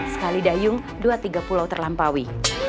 sekali dayung dua tiga pulau terlampaui